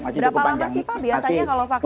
berapa lama sih pak biasanya kalau vaksin